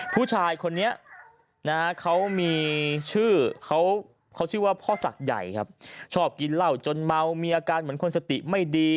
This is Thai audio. ผู้ชายคนนี้นะฮะเขามีชื่อเขาชื่อว่าพ่อศักดิ์ใหญ่ครับชอบกินเหล้าจนเมามีอาการเหมือนคนสติไม่ดี